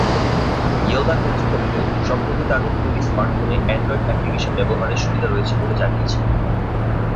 ইয়োলা কর্তৃপক্ষ সম্প্রতি তাদের তৈরি স্মার্টফোনে অ্যান্ড্রয়েড অ্যাপ্লিকেশন ব্যবহারের সুবিধা রয়েছে বলে জানিয়েছেন।